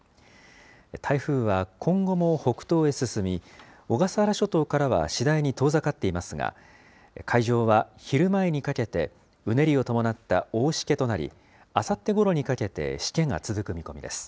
台風は今後も北東へ進み、小笠原諸島からは次第に遠ざかっていますが、会場は昼前にかけて、うねりを伴った大しけとなり、あさってごろにかけて、しけが続く見込みです。